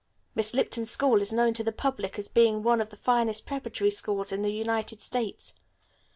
Miss Lipton's school is known to the public as being one of the finest preparatory schools in the United States.